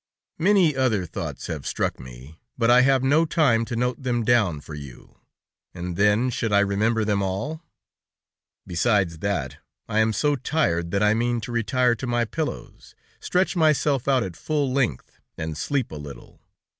"Many other thoughts have struck me, but I have no time to note them down for you, and then, should I remember them all? Besides that, I am so tired that I mean to retire to my pillows, stretch myself out at full length, and sleep a little.